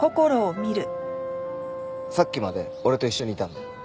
さっきまで俺と一緒にいたんで。